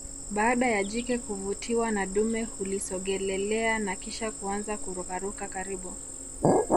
Baada ya jike kuvutiwa na dume hulisogelelea na kisha kuanza kurukaruka karibu